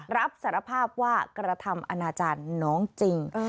รับสารภาพว่ากระทำอนาจารย์น้องจริง